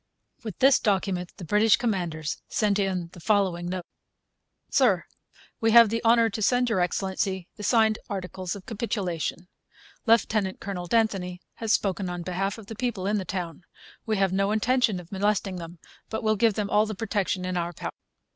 With this document the British commanders sent in the following note: SIR, We have the honour to send Your Excellency the signed articles of Capitulation. Lieutenant Colonel d'Anthony has spoken on behalf of the people in the town. We have no intention of molesting them; but shall give them all the protection in our power.